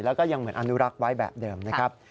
แล้วก็ยังเหมือนอนุรักษ์ไว้แบบเดิมนะครับ